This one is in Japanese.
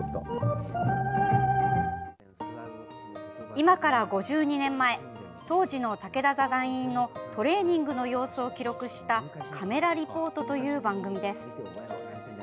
今から５２年前当時の竹田座団員のトレーニングの様子を記録した「カメラリポート」という番組です。